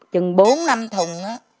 chừng bốn năm thùng